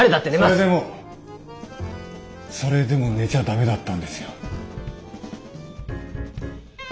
それでもそれでも寝ちゃ駄目だったんですよ。